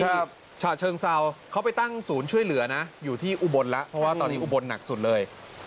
ฉะเชิงเซาเขาไปตั้งศูนย์ช่วยเหลือนะอยู่ที่อุบลแล้วเพราะว่าตอนนี้อุบลหนักสุดเลย